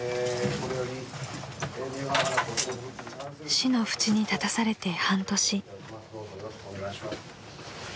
［死の淵に立たされて半年］